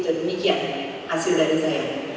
demikian hasil dari saya